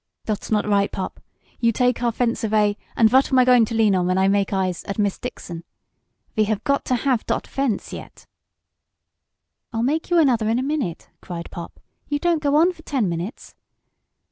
"Dot's not right, Pop. You dake our fence avay, und vat I goin' t' lean on ven I makes eyes at Miss Dixon? Ve got t' haf dot fence, yet!" "I'll make you another in a minute!" cried Pop. "You don't go on for ten minutes."